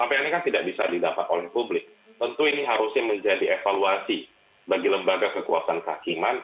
sampai ini kan tidak bisa didapat oleh publik tentu ini harusnya menjadi evaluasi bagi lembaga kekuasaan kehakiman